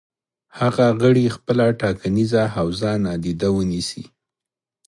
هغه غړي خپله ټاکنیزه حوزه نادیده ونیسي.